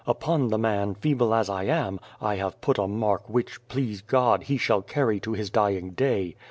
Upon the man, feeble as I am, I have put a mark which, please God, he shall carry to his dying day.